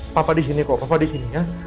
papa disini kok papa disini ya